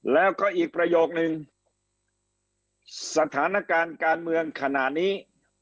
แล้วก็อีกประโยคนึงสถานการณ์การเมืองขณะนี้